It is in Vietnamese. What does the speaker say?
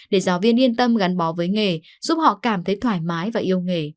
để giáo viên yên tâm gắn bó với nghề giúp họ cảm thấy thoải mái và yêu nghề